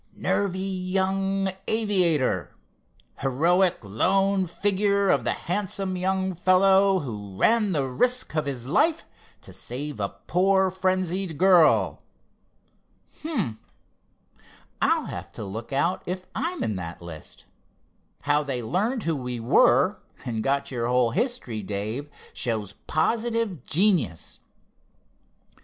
'Nervy young aviator,' 'heroic lone figure of the handsome young fellow who ran the risk of his life to save a poor frenzied girl.' Hum! I'll have to look out if I'm in that list. How they learned who we were, and got your whole history, Dave, shows positive genius."